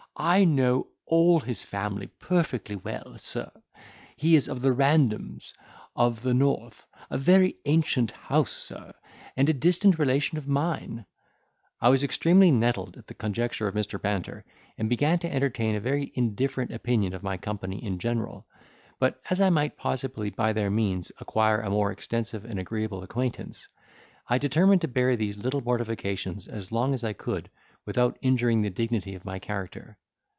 I know all his family perfectly well, sir; he is of the Randoms of the north—a very ancient house sir, and a distant relation of mine." I was extremely nettled at the conjecture of Mr. Banter, and began to entertain a very indifferent opinion of my company in general; but, as I might possibly by their means acquire a more extensive and agreeable acquaintance, I determined to bear these little mortifications as long as I could without injuring the dignity of my character.